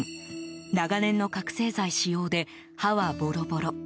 長年の覚醒剤使用で歯はボロボロ。